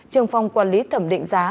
trường phòng quản lý thẩm định giá